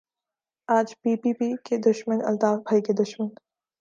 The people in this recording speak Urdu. آج پی پی پی کے دشمن الطاف بھائی کے دشمن